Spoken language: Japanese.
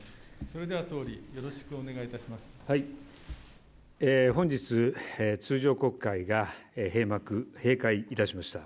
それでは総理、よろしくお願いい本日、通常国会が閉会いたしました。